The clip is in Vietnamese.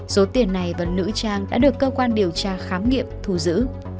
số tiền này và nữ trang đã được cơ quan điều tra khám nghiệm thù giữ